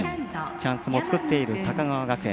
チャンスも作っている高川学園。